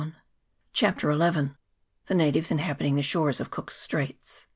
] 191 CHAPTER XL The Natives inhabiting the Shores of Cook's Straits.